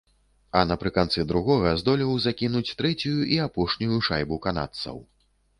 А напрыканцы другога здолеў закінуць трэцюю і апошнюю шайбу канадцаў.